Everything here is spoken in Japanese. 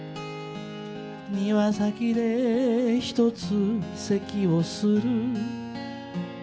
「庭先でひとつ咳をする」